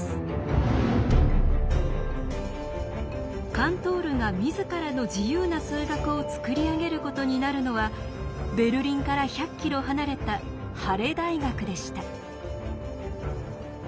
カントールが自らの自由な数学を作り上げることになるのはベルリンから１００キロ離れたハレ大学でした。